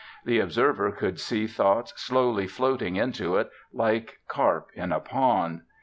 The observer could see thoughts slowly floating into it, like carp in a pond.